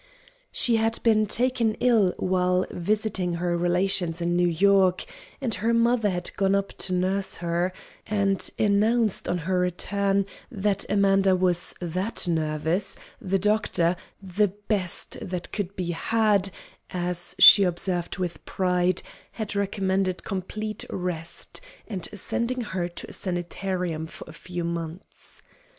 She had been taken ill while visiting her relations in New York, and her mother had gone up to nurse her, and announced on her return that Amanda was "that nervous" the doctor "the best that could be had," as she observed with pride, had recommended complete rest, and sending her to a sanitarium for a few months.